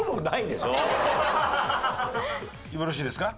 よろしいですか？